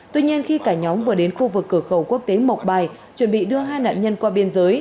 tuy nhiên khi cả nhóm vừa đến khu vực cửa khẩu quốc tế mộc bài chuẩn bị đưa hai nạn nhân qua biên giới